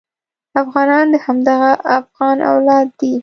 افغانان د همدغه افغان اولاد دي.